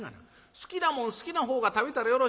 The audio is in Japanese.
好きなもん好きなほうが食べたらよろしいやろ。